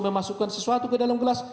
memasukkan sesuatu ke dalam gelas